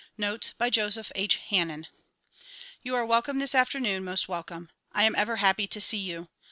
Notes by Joseph H. Hannen YOU are welcome this afternoon, most welcome. I am ever happy to see you.